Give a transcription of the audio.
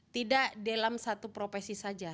tidak dalam satu profesi saja